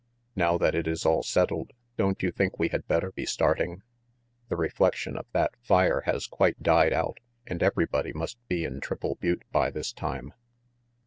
"Now that it is all settled, don't you think we had better be starting? The reflection of that fire has quite died out and everybody must be in Triple Butte by this time."